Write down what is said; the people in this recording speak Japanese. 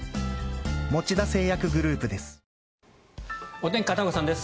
お天気、片岡さんです。